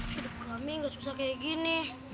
hidup kami tidak susah seperti ini